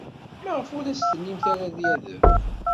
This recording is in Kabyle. Maɣef ur as-tennimt ara ad d-yadef?